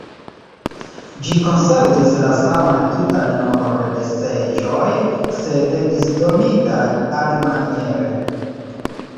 Ĝi konservis la saman tutan nombron de seĝoj, sed disdonitaj alimaniere.